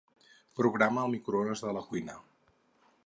Programa el microones de la cuina.